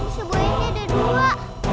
sebuah ini ada dua